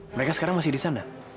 mereka sekarang masih di sana